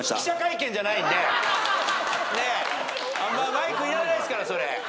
マイクいらないっすからそれ。